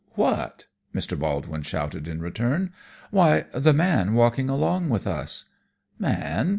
what?" Mr. Baldwin shouted in return. "Why, the man walking along with us!" "Man!